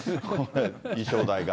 衣装代が。